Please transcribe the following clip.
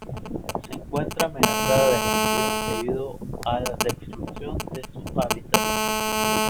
Se encuentra amenazada de extinción debido a la destrucción de su hábitat.